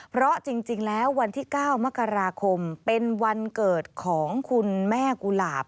เพราะจริงแล้ววันที่๙มกราคมเป็นวันเกิดของคุณแม่กุหลาบ